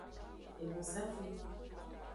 Ehunsafli.